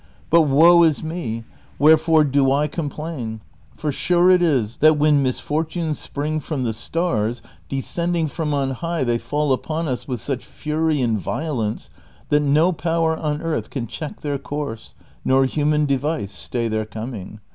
But, woe is me, wherefore do 1 complain ? for sure it is that when mis fortunes spring from the stars, descending from on high they fall upon us with such fury and violence that no power on earth can check their course nor human device stay their coming.